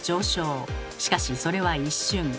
しかしそれは一瞬。